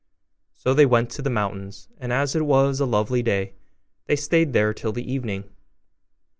So they went to the mountains; and as it was a lovely day, they stayed there till the evening.